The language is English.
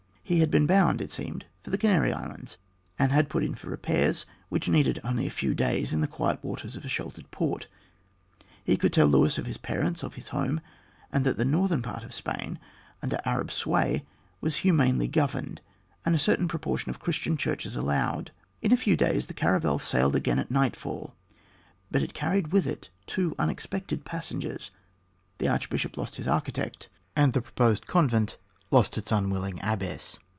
He had been bound, it seemed, for the Canary Islands, and had put in for repairs, which needed only a few days in the quiet waters of a sheltered port. He could tell Luis of his parents, of his home, and that the northern part of Spain, under Arab sway, was humanely governed, and a certain proportion of Christian churches allowed. In a few days the caravel sailed again at nightfall; but it carried with it two unexpected passengers; the archbishop lost his architect, and the proposed convent lost its unwilling abbess.